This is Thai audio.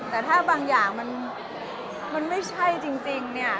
แต่ถ้าบางอย่างมันไม่ใช่จริงเนี่ย